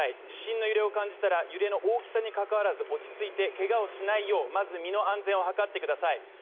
地震の揺れを感じたら揺れの大きさにかかわらず落ち着いてけがをしないようまず身の安全を図ってください。